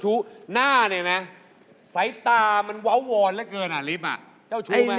จะชูเจ้าชู้หน้าเห็นไหม